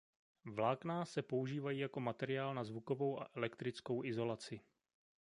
Vlákna se používají jako materiál na zvukovou a elektrickou izolaci.